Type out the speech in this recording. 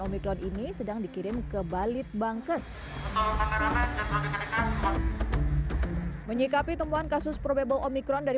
omikron ini sedang dikirim ke balit bangkes menyikapi temuan kasus probable omikron dari